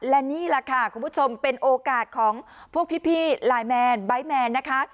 และนี่แหละค่ะคุณผู้ชมเป็นโอกาสของพวกพี่ไลน์แมนไบท์แมนนะคะ